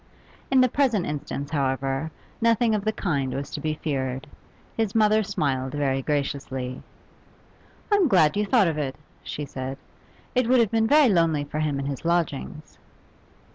In the present instance, however, nothing of the kind was to be feared; his mother smiled very graciously. 'I'm glad you thought of it,' she said. 'It would have been very lonely for him in his lodgings.